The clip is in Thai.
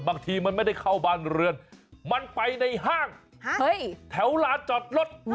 บางทีมันไม่ได้เข้าบ้านเรือนมันไปในห้างแถวลานจอดรถ